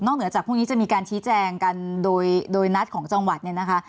นอกเหนือจากพวกนี้จะมีการที่แจงกันโดยนัดของจังหวัดนะคะ